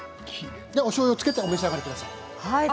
おしょうゆをつけてお召し上がりください。